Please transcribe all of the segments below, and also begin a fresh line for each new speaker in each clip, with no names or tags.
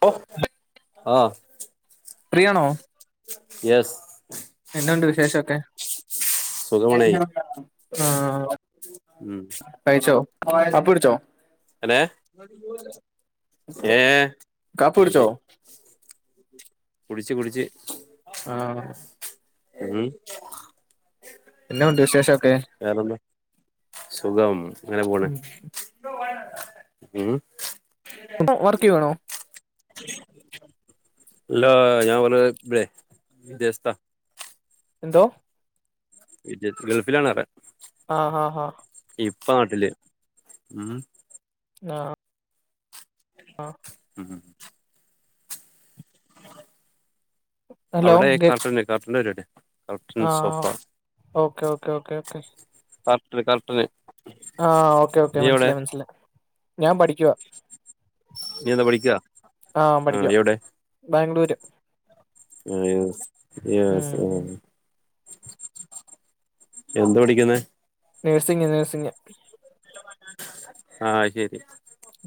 പ്പോ ആഹ്.
ഫ്രീയാണോ?
യെസ്.
എന്നാണ്ട് വിശേഷൊക്കെ
സുഖമാണേ
ആഹ്
ഉം
കാപ്പി കുടിച്ചോ
ഏങ്ങനെ ഏഹ്
കാപ്പി കുടിച്ചോ
പിടിച്ച് കുടിച്ച് കുടിച്ച്
ആഹ്
ഉം
എന്നുണ്ട് വിശേഷൊക്കെ
വേറെന്ത സുഖം അങ്ങനെ പോണ് ഉം
വർക്ക് ചെയ്യുവാണോ
ഇല്ല ഞാൻ ഓലെ തേ വിദേശത്താ
എന്തോ
[unintelligible] ഗൾഫിലാണ് അറ
ആഹ് ഹാ ഹാ
ഇപ്പ നാട്ടില് ഉം
ആഹ് ആഹ്
ഉം അവിടെ ഈ കർട്ടന് കർട്ടന്റെ പരിപാടിയ
ആഹ് ഓക്കെ ഓക്കേ ഓക്കേ ഓക്കേ
ഇല്ല കർട്ടന്
ആഹ് ഓക്കേ ഓക്കേ
നീ എവിടെ
മനസ്സിലായി മനസ്സിലായി ഞാൻ പഠിക്കുവാ
നീ എന്താ പഠിക്കാ
ആഹ് പഠിക്കുവാ ബാംഗ്ലൂര്
യെസ് യെസ്
ഉം
ആഹ് എന്ത പഠിക്കുന്നത്
നേഴ്സിംഗ് നേഴ്സിംഗ്
ആഹ് ശരി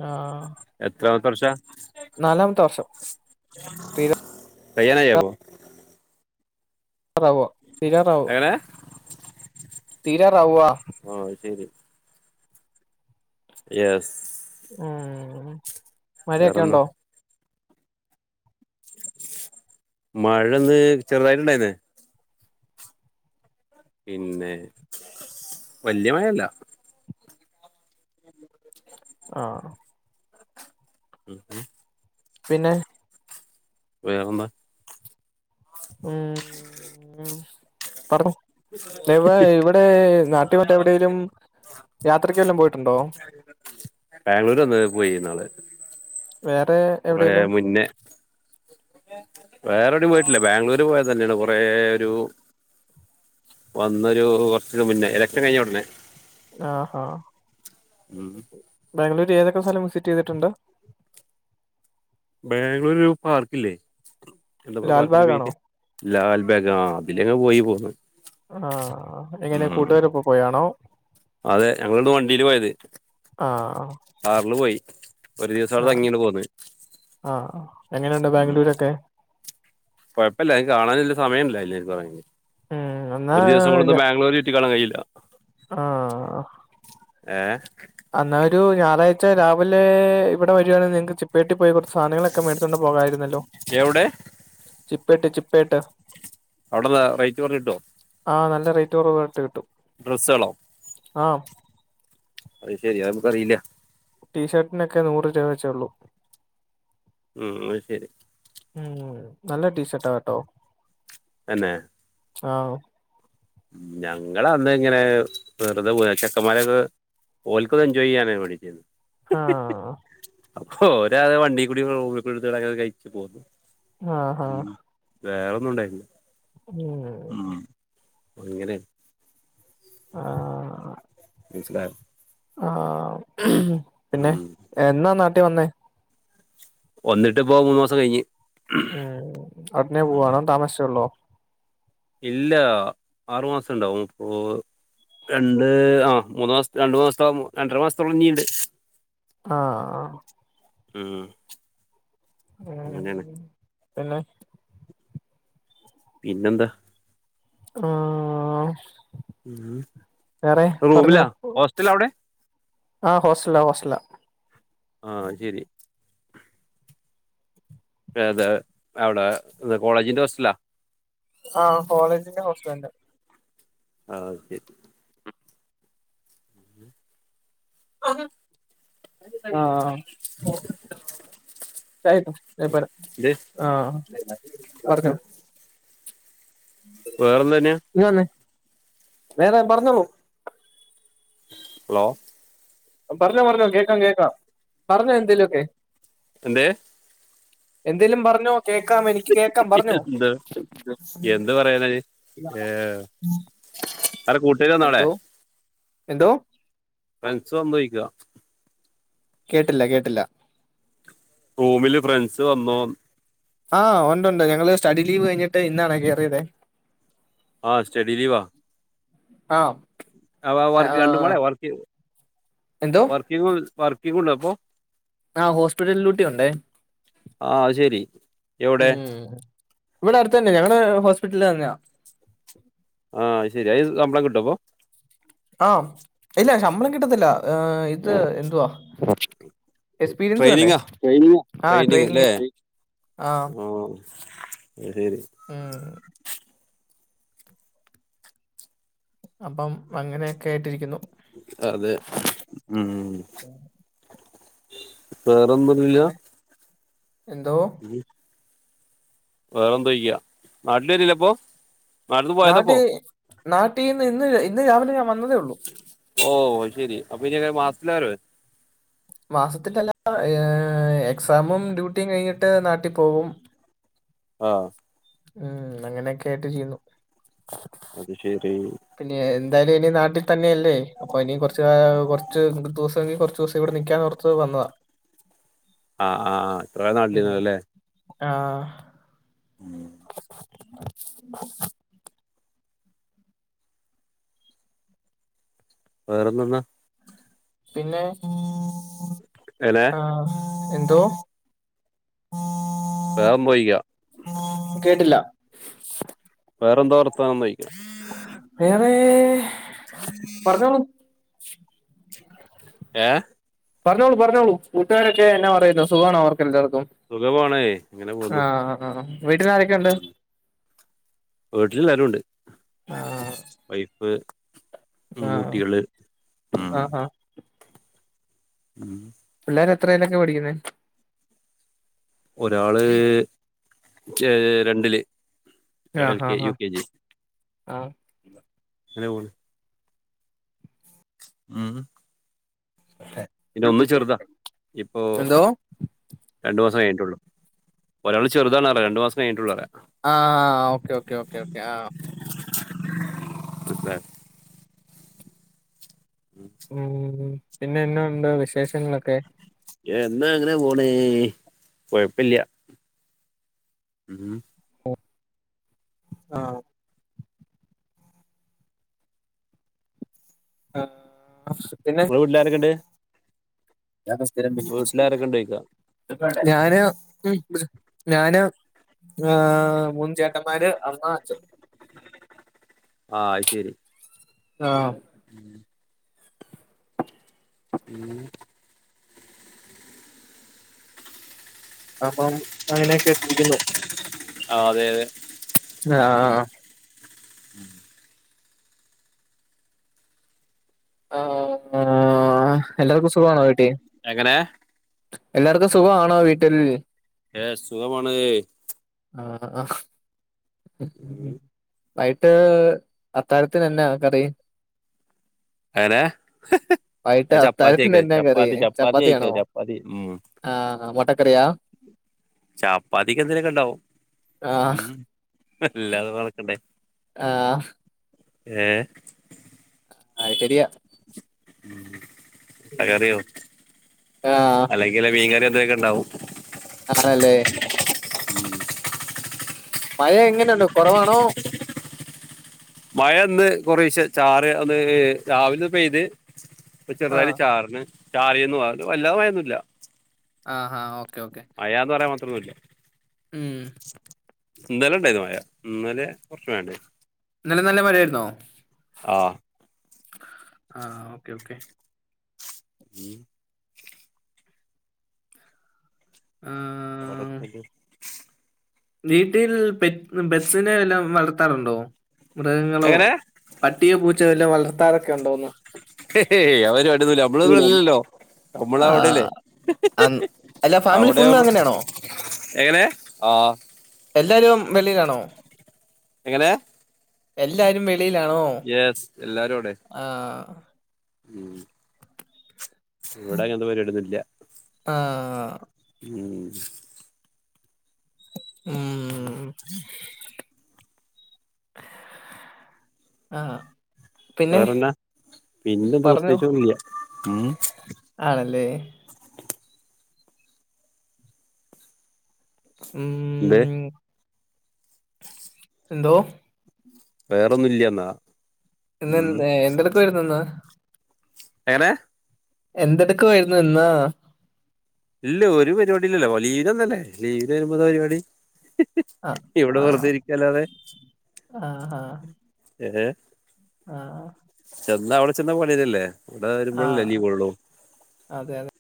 ആഹ്
എത്രാമത്തെ വർഷ
നാലാമത്തെ വർഷം
[inaudible] കയ്യാനായ അപ്പോ?
റാവു തീരാറാവു
എങ്ങനെ
തീരാറാവുവ
ആഹ് അത് ശെരി യെസ്
ഉും ഹും മഴെക്കെ
വേറെന്നാ
ഉണ്ടോ?
മഴന്ന് ചെറുതായിട്ട്ണ്ടായിന്ന് പിന്നെ വല്ല്യ മഴല്ല
ആഹ്
[unintelligible]
പിന്നെ
വേറെന്താ?
ഉും ഉം പറഞ്ഞോ? ഇവാ ഇവിടെ നാട്ടിൽ മറ്റെവിടെലും
ബാംഗ്ലൂര് ഒന്ന് പോയിന്നാള്
വേറേ
കുറേ മുന്നെ വേറെവിടിം പോയിട്ടില്ല ബാംഗ്ലൂര് പോയത് തന്നെയാണ് കൊറെ ഒരു വന്നൊരൂ കൊർച്ചിസം മുന്നേ ഇലക്ഷൻ കഴിഞ്ഞ ഉടനെ
ആഹ് ഹാ.
ഉം
ബാംഗ്ലൂര് ഏതൊക്കെ സ്ഥലം വിസിറ്റ് ചെയ്തിട്ടുണ്ട്?
ബാംഗ്ലൂർ ഒരു പാർക്കല്ലേ? എന്താപ്പോ പാർക്കിന്റെ
ലാൽബാഗ് ആണോ
പേര് ലാൽബാഗാ അതിലങ്ങ് പോയി പോന്നു
ആഹ് അത്ങ്ങനെ കൂട്ടുകാരപ്പോ പോയാണോ?
അതെ ഞങ്ങള് ഇവിന്ന് വണ്ടിയില് പോയത്
ആഹ്
കാറില് പോയി ഒരു ദിവസം
ആഹ്
അവിടെതങ്ങിണ്ട് പോന്ന്
ആഹ് എങ്ങനെണ്ട് ബാംഗ്ലൂരൊക്കെ?
കുഴപ്പല്ല അത്കാണാന്ള്ള സമയ ഇല്ലയിൻ ഇല്ല പോയത്
ഉം എന്നാ
ഒരു ദിവസം കൊണ്ട്ന്നും ബാംഗ്ലൂര് ചുറ്റിക്കാണാൻ കയില്ല
ആഹ്
ഏഹേ
അന്നാ ഒരു ഞായറാഴ്ച രാവിലെ ഇവിടെ വരുകവാണെൽ നിങ്ങൾക്ക് ചിപ്പയട്ടി പോയി കുറച്ച് സാധനങ്ങളൊക്കെ മേടിച്ചോണ്ട് പോകായിരുന്നു ല്ലോ
എവിടെ
ചിപ്പേട്ട ചിപ്പേട്ട
അവിടെന്താ റേറ്റ് കുറഞ്ഞിട്ടോ?
ആഹ് നല്ല റൈറ്റ് കുറവിട്ട് കിട്ടും
ഡ്രസ്സ്കളോ?
ആഹ്
അത് ശെരി അത്പ്പറിയില്ല
ടീഷർട്ടിനൊക്കെ നൂറ് രൂപ വെച്ചേ ഉള്ളൂ
ഉം അത് ശരി
ഉം നല്ല ടീഷർട്ടാണ്ട്ടോ
തന്നെ
ആഹ് ഓ
ഞങ്ങള് അന്ന് ഇങ്ങനെ വെറുതെ പോയി ചെക്കന്മാരൊക്കെ ഓൽകൊന്ന് എൻജോയ്യ്യാനാണ് വേണ്ടിട്ട്
ആഹ്
അപ്പൊ ഒരാെവണ്ടികൂടി റൂമോക്കിട്ത് അങ്ങിനെ കഴിച്ചുപോന്നു.
ആഹാ
വേറൊന്നും ഉണ്ടായിര്ന്നു
ഉം
അങ്ങനെ
ആഹ്
മനസിലായ
ആഹ് പിന്നെ
ഉം.
എന്നാ നാട്ടി വന്നേ
വന്നിട്ടിപ്പോ മൂന്ന് മാസം കയിഞ്ഞ്
ഉം ഉടനെ പോവാണോ താമസിച്ചേള്ളോ
ഇല്ല ആറുമാസം ഉണ്ടാവും ഇപ്പോ രണ്ട് ആ മൂന്നു മാസം രണ്ടു മാസത്തോ രണ്ടര മാസത്തോളം ഇനീണ്ട്
ആഹ്
ഉം അങ്ങനെയാണ്
ഉം പിന്നെ
പിന്നെന്താ
ആഹ്
ഉം.
വേറെ പറഞ്ഞോ
റൂമിലാ ഹോസ്റ്റൽ അവിടെ
ആഹ് ഹോസ്റ്റലിലാ ഹോസ്റ്റലിലാ
ആഹ് ശരി ഏതാ അവിടെ കോളേജിന്റെ ഹോസ്റ്റലിലാ
ആഹ് കോളജിന്റെ ഹോസ്റ്റലന്നെ
ആഹ് ശെരി
ആഹ് ചായയിട്ടോ ഏ പറ
ഇത്
ആഹ് പറഞ്ഞോ
വേറെ എന്തന്നെയാ
ഇങ്ങുവന്നെ വേറെ പറഞ്ഞോളു
ഹലോ
പറഞ്ഞോ പറഞ്ഞോ കേക്കാം കേക്കാം പറഞ്ഞോ എന്തേലുമൊക്കെ
എന്തേ
എന്തേലും പറഞ്ഞോ കേക്കാം എനിക്ക് കേക്കാം പറഞ്ഞോ
പറയുന്നത് ആരെ കൂട്ടുകാർ വന്നോ അവിടെ
എന്തോ എന്തോ
ഫ്രണ്ട്സ് സമ്മയിക്കുക
കേട്ടില്ല കേട്ടില്ല
റൂമില് ഫ്രണ്ട്സ് വന്നോന്ന്
ആഹ് ഒണ്ടൊണ്ട്. ഞങ്ങള് സ്റ്റഡി ലീവ് കഴിഞ്ഞിട്ട് ഇന്നാണേ കേറിയതേ
ആഹ് സ്റ്റഡിലീവാ
ആഹ്
അവ വർക്ക് രണ്ടും കൂടെ വർക്ക്
എന്തോ
വർക്കിന് പോന്ന് വർക്കിങ്ങുണ്ടോ അപ്പൊ
ആഹ് ഹോസ്പിറ്റൽ ഡ്യൂട്ടി ഒണ്ടേ
ആ അത് ശരി എവിടെ
ഉം ഇവിടെ അടുത്ത് തന്നെയാ ഞങ്ങടെ ഹോസ്പിറ്റല് തന്നെയാ
ആഹ് അത് ശരി അയിന് ശമ്പളം കിട്ടുവോ അപ്പോ
ആഹ് ഇല്ല ശമ്പളം കിട്ടത്തില്ല ഇത് എന്തുവാ എക്സ്പീരിയൻസ് വേണ്ടേ
ട്രെയിനിങ്ങാ
ട്രയിനിങ് ആ ട്രയിനിങ്
ആഹ് എരേര്
ഉം അപ്പം അങ്ങെനെയെക്കേയ്ട്ടിരിക്ക്യുന്നു
അതെ ഊം വേറൊന്നും ല്ലാ
പിന്നെ എന്തോ
വേറെന്തും ഇയ്യാ നാട്ട്ല് വെരെൽല്ലേപ്പാേ
നാട്ട് നാട്ടീന്ന് ഇന്ന് ഇന്ന് രാവിലെ ഞാൻ വന്നതേ ഒള്ളൂ
ഓഹ് അയ്ശെരി അപ്പ ഇയ്യെങ്ങെനെ മാസ്ത്ത്ലാ വെരവ്
മാസത്തിലല്ലാതെ ഏഹ് എക്സാമും ഡ്യൂട്ടിയും കഴിഞ്ഞിട്ട് നാട്ടി പോവും
ആഹ്
ഉം അങ്ങെനെക്കെ ആയിട്ട് ചെയ്യ്ന്നു
അത് ശെരീ
പിന്നെ എന്തായാലും ഇനി നാട്ടി തന്നെ അല്ലേ അപ്പൊ ഇനി കൊർച്ച് കൊർച്ച് ദുവ്സെങ്കി കൊർച്ച് ദുവ്സം ഇവിടെ നിക്ക്യാന്നോർത്ത് വന്നതാ
ആഹ് ആഹ് ആഹ് എത്രെയോ നാട്ടിൽന്നു അല്ലേ
ആഹ്
ഉം വേറെന്ത്ന്നാ
പിന്നേ
എനേ
ആഹ് എന്തോ
വേഗം പൊയ്കോ
കേട്ടില്ലാ
വേറെന്താ വർത്താനംന്നോയ്ക്കാ
വേറേ പറഞ്ഞോളൂ
ഏഹ്
പറഞ്ഞോളൂ പറഞ്ഞോളൂ കൂട്ടുകാരൊക്കെ എന്നാ പറയുന്നു സുഖാണോ അവർക്ക് എല്ലാർക്കും
സുഖമാണേ ഇങ്ങനെ പോന്ന്
ആഹ് ആഹ് ആഹ് വീട്ടില് ആരൊക്കെ ഉണ്ട്
വീട്ട്ല് എല്ലാരൂണ്ട്
ആ
വൈഫ് ഉം
ആ
മൂട്ടികെള് ഉം
ആ ആ
ഉം
പിള്ളേരെത്രേലൊക്കെ പഠിക്ക്യ്ന്നേ
ഒരാള് ചേ രണ്ടില് ഒരാള്
ആഹ്
എൽ കെ
ഹാഹ്
യു
ഹാഹ്
കെ ജി
ആഹ്
ങ്ങെനെ പോണ് ഊം ഹും
ല്ലെ
പിന്നെ ഒന്ന് ചെർതാ ഇപ്പോ രണ്ടു മാസം കയ്ഞ്ഞിട്ടാെള്ളു ഒരാള് ചെർതാന്നറ്യാ രണ്ട് മാസം യ്ഞ്ഞിട്ടാെള്ളുറ്യാ
ആഹ് ഓക്കെ ഓക്കെ ഓക്കെ ഓക്കെ ആഹ്
മനസ്സിലായോ
ഉം പിന്നെ എന്നാ ഉണ്ട് വിശേഷങ്ങളൊക്കെ
എന്താ അങ്ങെനെ പോണ് കൊഴപ്പല്ല്യാ ഉം
ഒഹ് ആഹ് ആഹ്
ഇങ്ങളെ വീട്ട്ലാരെക്കെണ്ട് വീട്ടിലാരൊക്കെണ്ട് ചോദിക്കാ
[unintelligible] ഞാന് ഉം ഞാന് ആഹ് മൂന്ന് ചേട്ടന്മാര് അമ്മ അച്ഛൻ
ആഹ് അയ്ശരി
ആഹ്
ഉം ഉം
അപ്പം അങ്ങനെ കേട്ടിരിക്കുന്നു
ആഹ് അതെ അതെ
അ അ ആഹ്
ഉം
അ ആഹ് എല്ലാർക്കു സുഖണോ വീട്ടി
എങ്ങനെ
എല്ലാർക്കു സുഖാണോ വീട്ടിൽ
എസ് സുഖമാണ്
അ ആഹ് വൈട്ട് അത്താഴത്തിനെന്നാ കറി
എങ്ങനെ
വൈട്ട് അത്തായത്തിന് എന്നാ കറി ചപ്പാത്തിയാണോ
ആയിക്ക ചപ്പാത്തി ഉം
ആഹ് മുട്ടക്കറിയാ [inaudible]
ചാപ്പാതിക്ക് എന്തേലൊക്കെ ഉണ്ടാവും
ആഹ്
ഉം വല്ലാതും വളക്കണ്ടേ
ആഹ്
ഏഹ്
അത് ശരിയ
ഉം
ഉം.
ട്ടക്കറിയോ
ആഹ്
അല ലെ മീങ്കറി എതൊക്കെ ഉണ്ടാവും
ആണല്ലേ മഴ എങ്ങനെയുണ്ട് കുറവാണോ
മഴ ഇന്ന് കൊറേശ ചാറ് അന്ന് രാവില പെയ്ത് ഇപ്പൊ ചെറുതായില്
ആഹ്
ചാറിന് ചാറീന്നു അത് വല്ലാതെ മയൊന്നുല്ല
അ ആഹ് ഓക്കേ ഓക്കേ
മയാന്ന് പറയാ മാത്രന്നുല്ല ഇന്നല ഉണ്ടെനു മയ ഇന്നലെ കുറച്ച് മയണ്ടെനു
ഇന്നലെ നല്ല മഴ ആയിരുന്നോ
ആഹ്
ആഹ് ഓക്കേ ഓക്കെ
ഉം
ആഹ്
[unintelligible]
വീട്ടിൽ പെറ്റ് പെറ്റ്സിനെ വല്ലോം വളർത്താറുണ്ടോ മൃഗങ്ങളോ
എങ്ങനെ
പട്ടിയോ പൂച്ചയോ വല്ലോം വളർത്താറൊക്കെ ഉണ്ടോന്ന്
ആ പരിപാടി ഒന്നില്ല നമ്മളിവിടെ ഇല്ലല്ലോ
ആഹ് അന്ന് അല്ല ഫാമിലി
അവിടെ
ഫുള്ള് അങ്ങനെയാണോ
എങ്ങനെ ആഹ്
എല്ലാരും വെളിയിലാണോ
എങ്ങനെ
എല്ലാരും വെളിയിലാണോ
യെസ് എല്ലാരും ഉണ്ട്
ആഹ്
[inaudible] ഇവിടെ അങ്ങനത്തെ പരിപാടി ഒന്നുല്ല
ആഹ്
ഉം
ഉംംംം ആഹ്
വേറെന്നാ പിന്നെന്താ
പറഞ്ഞോ
പ്രത്യേകിച്ച് ഒന്നില്ല ഉം
ആണല്ലേ ഉം
എന്തേ
എന്തോ
വേറൊന്നുല്ല്യന്നാ
ഇന്ന് എന്തെടുക്കുവാരുന്നിന്ന്
എങ്ങനെ
എന്തെടുക്കുവായിരുന്നു ഇന്ന്
ഇല്ല ഒരു പരിപാടി ഇല്ലല്ലോ ലീഗംതന്നെ ലീഗ് എന്താ പരിപാടി
ആ
ഇവിടെ
ആ
വെറുതെ ഇരിക്കല്ലാതെ
ആ
ഏഹ്
ആഹ്
ചെന്ന അവിടെ ചെന്ന പണില്ലല്ലേ ഇവിടെ
ആ
വരുമ്പോഴല്ലേ ലീവ് ഉള്ളൂ
അതെ അതെ